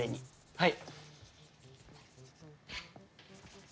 はい。